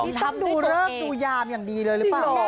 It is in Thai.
นี่ทำดูเลิกดูยามอย่างดีเลยหรือเปล่า